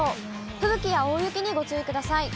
吹雪や大雪にご注意ください。